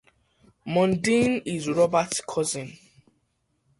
Mundine is Roberts' cousin.